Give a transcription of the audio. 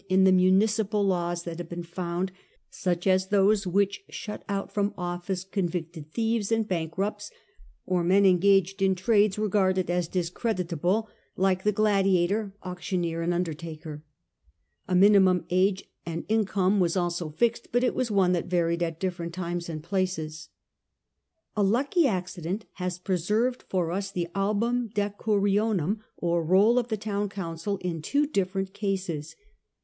in the municipal laws that have been found, such as those which shut out from office convicted thieves and bankrupts, or men engaged in trades regarded as dis creditable, like the gladiator, auctioneer, and undertaker, A minimum of age and income was also fixed, but it was one that varied at different times and places. A lucky accident has preserved for us the album decurio7ium^ or roll of the town council, in two different cases.